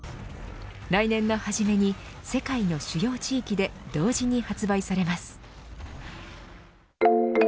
来年の初めに世界の主要地域で同時に発売されます。